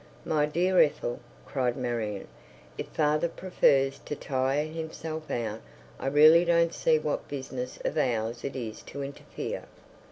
"My dear Ethel," cried Marion, "if father prefers to tire himself out, I really don't see what business of ours it is to interfere."